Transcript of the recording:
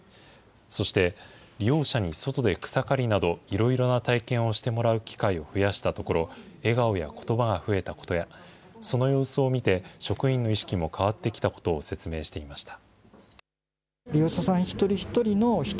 そして、利用者に外で草刈りなどいろいろな体験をしてもらう機会を増やしたところ、笑顔やことばが増えたことや、その様子を見て、職員の意識も変わってきたことを説明していました。